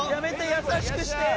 優しくして！